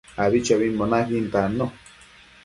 Abichobimbo nainquin tannu